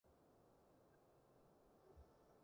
方丈好小氣架